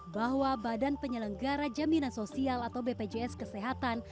bahwa badan penyelenggara jaminan sosial atau bpjs kesehatan